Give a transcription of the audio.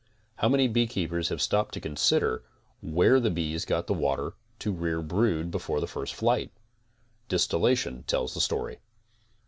How many beekeepers have stopped to consider where the bees got the water to rear brood before the first flight? Dis tilation tells the story.